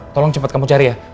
tolong cepat kamu cari ya